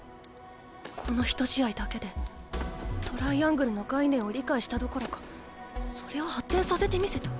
この一試合だけでトライアングルの概念を理解したどころかそれを発展させてみせた。